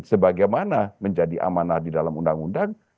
sebagaimana menjadi amanah di dalam undang undang